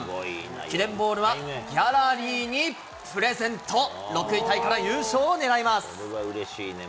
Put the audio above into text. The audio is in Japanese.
記念ボールはギャラリーにプレゼント、６位タイから優勝を狙います。